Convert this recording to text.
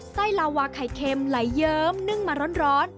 ไส้ลาวาไข่เค็มไหลเยิ้มนึ่งมาร้อน